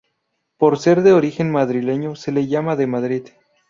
Por ser de origen madrileño se le llama de Madrid.